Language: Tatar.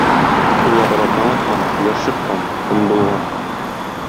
Ул арада таң аткан, кояш чыккан, көн булган.